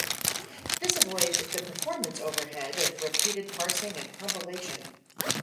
This avoids the performance overhead of repeated parsing and compilation.